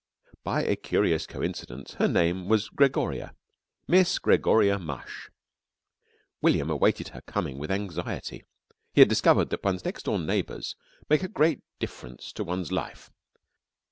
By a curious coincidence her name was Gregoria Miss Gregoria Mush. William awaited her coming with anxiety. He had discovered that one's next door neighbours make a great difference to one's life.